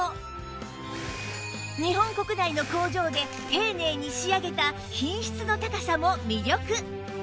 日本国内の工場で丁寧に仕上げた品質の高さも魅力